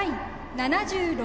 ７６